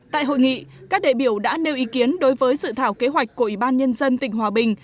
tại hội nghị các đại biểu đã nêu ý kiến đối với dự thảo kế hoạch của ủy ban nhân dân tỉnh hòa bình